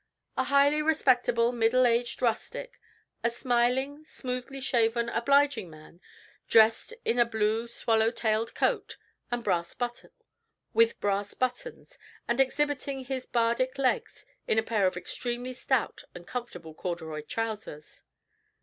"A highly respectable middle aged rustic; a smiling, smoothly shaven, obliging man, dressed in a blue swallow tailed coat, with brass buttons, and exhibiting his bardic legs in a pair of extremely stout and comfortable corduroy trousers."